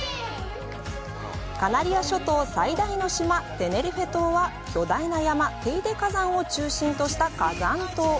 カナリア諸島最大の島、テネリフェ島は巨大な山テイデ火山を中心とした火山島。